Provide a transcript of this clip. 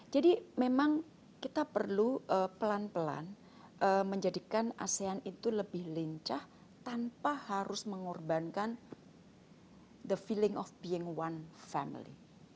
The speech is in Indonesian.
jadi memang kita perlu pelan pelan menjadikan asean itu lebih lincah tanpa harus mengorbankan the feeling of being one family